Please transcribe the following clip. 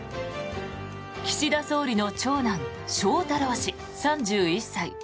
岸田総理の長男翔太郎氏、３１歳。